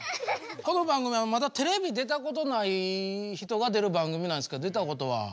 この番組はまだテレビ出たことない人が出る番組なんですけど出たことは？